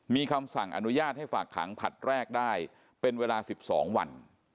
มีคำสั่งอนุญาตให้ฝากขังผลัดแรกได้เป็นเวลา๑๒วัน